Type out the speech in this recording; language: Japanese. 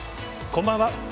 こんばんは。